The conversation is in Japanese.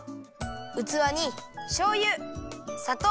うつわにしょうゆさとう。